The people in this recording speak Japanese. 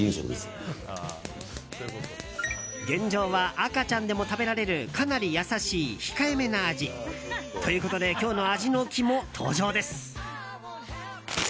現状は赤ちゃんでも食べられるかなり優しい控えめな味。ということで今日の味の肝、登場です。